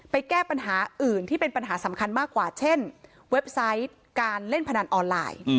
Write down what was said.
แก้ปัญหาอื่นที่เป็นปัญหาสำคัญมากกว่าเช่นเว็บไซต์การเล่นพนันออนไลน์